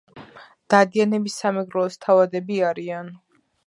დადიანები სამეგრელოს თავადები არიან